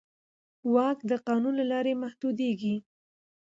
واک د قانون له لارې محدودېږي.